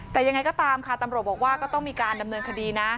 แต่ยังไงก็ตามค่ะตำรวจบอกว่าก็ต้องมีการดำเนินคดีนะ